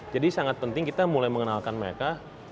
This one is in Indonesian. jadi sangat penting kita mulai mengenalkan mereka